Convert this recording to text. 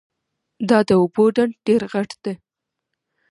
دا د اوبو ډنډ ډېر غټ ده